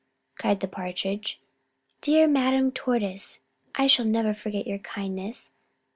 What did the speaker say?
cried the Partridge. "Dear Madame Tortoise, I shall never forget your kindness.